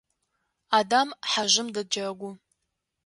Адам хьэжъым дэджэгу.